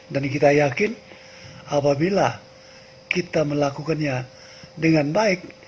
dan kita yakin apabila kita melakukannya dengan baik